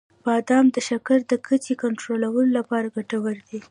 • بادام د شکر د کچې د کنټرول لپاره ګټور دي.